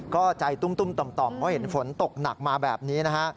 ก็ใจตุ้มต่อมเพราะเห็นฝนตกหนักมาแบบนี้นะฮะ